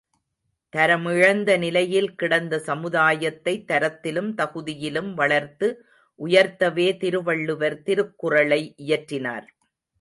தரமிழந்த நிலையில் கிடந்த சமுதாயத்தைத் தரத்திலும் தகுதியிலும் வளர்த்து உயர்த்தவே திருவள்ளுவர் திருக்குறளை இயற்றினார்.